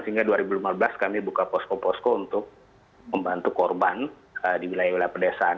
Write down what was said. sehingga dua ribu lima belas kami buka posko posko untuk membantu korban di wilayah wilayah pedesaan